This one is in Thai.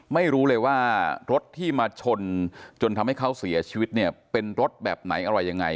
ไม่รู้เลยว่ารถที่มาชนจนทำให้เขาเสียชีวิตเนี่ยเป็นรถแบบไหนอะไรยังไง